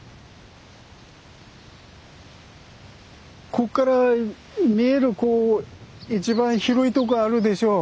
こっから見える一番広いとこあるでしょう